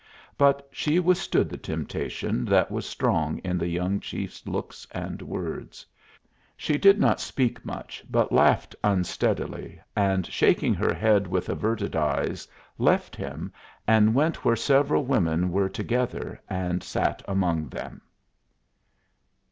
But she withstood the temptation that was strong in the young chief's looks and words. She did not speak much, but laughed unsteadily, and, shaking her head with averted eyes, left him, and went where several women were together, and sat among them.